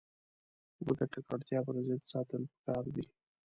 اوبه د ککړتیا پر ضد ساتل پکار دي.